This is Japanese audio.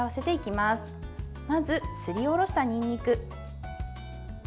まず、すりおろしたにんにく。